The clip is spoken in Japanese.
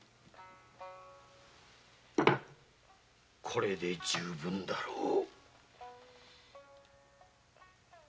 これで十分だろう。